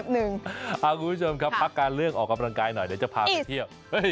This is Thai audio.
พรุ่งชมขึ้นพักการเลือกออกกำลังกายหน่อย